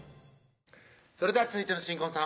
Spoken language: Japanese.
それでは続いての新婚さん